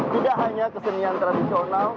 tidak hanya kesenian tradisional